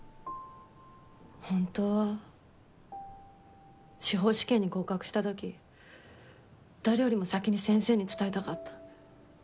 本当は司法試験に合格した時誰よりも先に先生に伝えたかった。